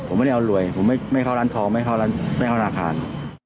ผมไม่ได้เอารวยผมไม่เข้าร้านทองไม่เข้าร้านไม่เข้าธนาคาร